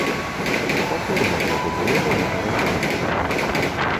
Спакойна трэба было да гэтага ставіцца.